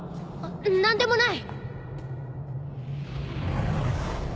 何でもない。